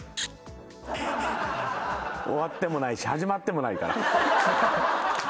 終わってもないし始まってもないから。